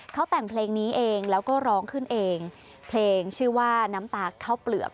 เขาแต่งเพลงนี้เองแล้วก็ร้องขึ้นเองเพลงชื่อว่าน้ำตาข้าวเปลือก